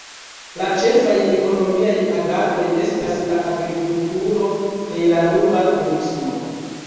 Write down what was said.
La ĉefaj ekonomiaj agadoj estas la agrikulturo kaj la rura turismo.